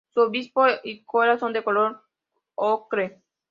Su obispillo y cola son de color ocre.